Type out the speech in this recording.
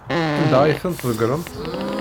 Anda ay tent-tḍeggremt?